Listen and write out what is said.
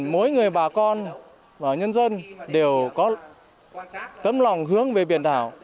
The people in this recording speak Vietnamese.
mỗi người bà con và nhân dân đều có tấm lòng hướng về biển đảo